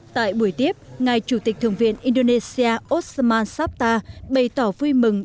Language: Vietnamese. tại buổi tiếp ngài chủ tịch thượng viện indonesia osman sabta bày tỏ vui mừng